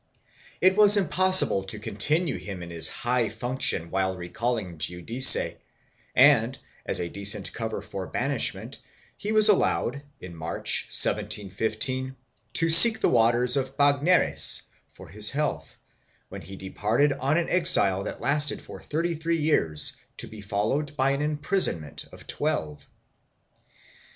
It was impossible to continue him in his high function while recalling Giudice and, as a decent cover for banishment, he was allowed, in March, 1715, to seek the waters of Bagneres for his health, when he departed on an exile that lasted for thirty three years to be followed by an imprisonment of twelve.